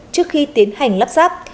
trước khi tiến hành lắp sáp